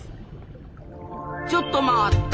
ちょっと待った！